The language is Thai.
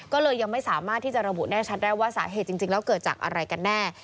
ก็เลยยังไม่สามารถที่จะระบุแน่ชัดได้ว่าสาเหตุจริงแล้วเกิดจากอะไรกันแน่